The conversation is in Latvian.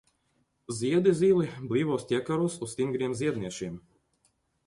Ziedi zili, blīvos ķekaros uz stingriem ziednešiem.